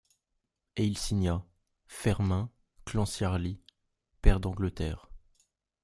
Et il signa: Fermain Clanciiarlie, pair d’Angleterre.